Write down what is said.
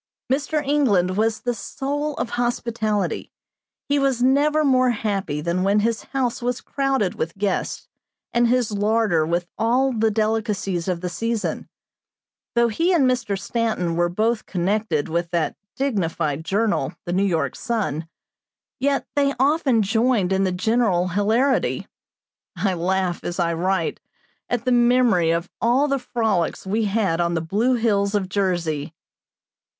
Mr. England was the soul of hospitality. He was never more happy than when his house was crowded with guests, and his larder with all the delicacies of the season. Though he and Mr. Stanton were both connected with that dignified journal, the New York Sun, yet they often joined in the general hilarity. I laugh, as I write, at the memory of all the frolics we had on the blue hills of Jersey.